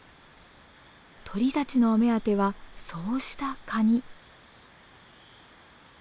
鳥たちのお目当てはそうしたカニ。